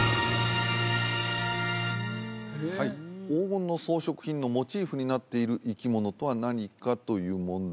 はい黄金の装飾品のモチーフになっている生き物とは何かという問題